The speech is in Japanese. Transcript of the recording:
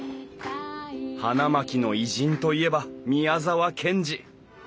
花巻の偉人といえば宮沢賢治。